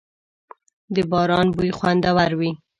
• د باران بوی خوندور وي.